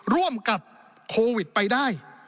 ร่วมกับโควิดไปได้